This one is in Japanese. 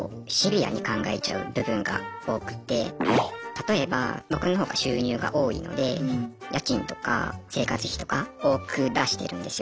例えば僕の方が収入が多いので家賃とか生活費とか多く出してるんですよね。